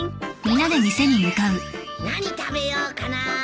何食べようかな。